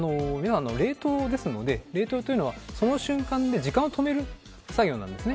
冷凍ですので、冷凍というのはその瞬間で時間を止める作業なんです。